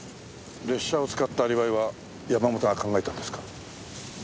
列車を使ったアリバイは山本が考えたんですか？